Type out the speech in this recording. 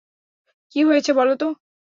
কি হয়েছে বলো তো?